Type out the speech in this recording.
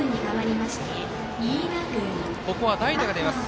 ここは代打が出ます。